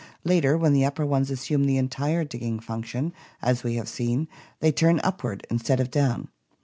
Later when the upper ones assume the entire digging function, as we have seen, they turn upward instead of down.